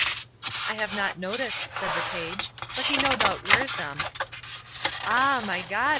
"I have not noticed," said the page; "but no doubt he wears them." "Ah! my God!"